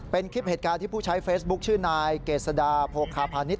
เป็นคลิปเหตุการณ์ที่ผู้ใช้เฟซบุ๊คชื่อนายเกษดาโภคาพาณิชย